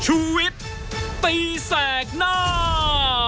ชูเวทตีแสงหน้า